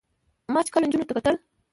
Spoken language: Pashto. ما چې کله نجونو ته کتل